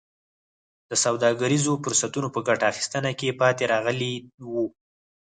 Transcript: د سوداګریزو فرصتونو په ګټه اخیستنه کې پاتې راغلي وو.